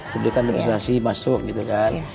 dibudikan respesasi masuk gitu kan